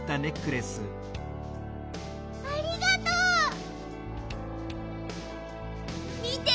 ありがとう！みて！